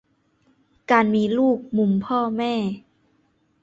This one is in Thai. - การมีลูก มุมพ่อแม่